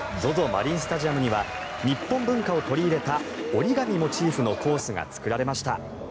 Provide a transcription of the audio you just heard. マリンスタジアムには日本文化を取り入れた折り紙モチーフのコースが作られました。